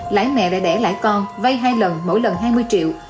lãi mẹ đã đẻ lãi con vay hai lần mỗi lần hai mươi triệu